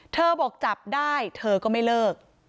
บอกจับได้เธอก็ไม่เลิก